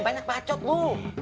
banyak pacot bu